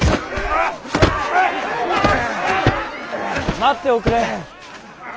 待っておくれ。